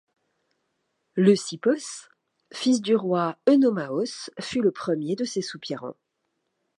Leucippos, fils du roi Œnomaos, fut le premier de ses soupirants.